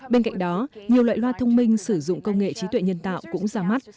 bên cạnh đó nhiều loại loa thông minh sử dụng công nghệ trí tuệ nhân tạo cũng ra mắt